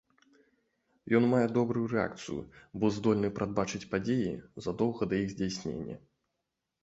Ён мае добрую рэакцыю, бо здольны прадбачыць падзеі задоўга да іх здзяйснення.